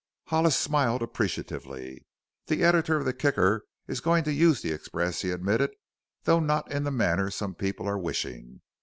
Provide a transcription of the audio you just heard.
Hollis smiled appreciatively. "The editor of the Kicker is going to use the express," he admitted, "though not in the manner some people are wishing.